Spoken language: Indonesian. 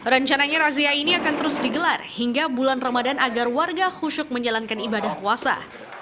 rencananya razia ini akan terus digelar hingga bulan ramadan agar warga khusyuk menjalankan ibadah puasa